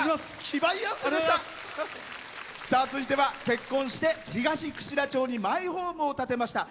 さあ続いては結婚して東串良町にマイホームを建てました。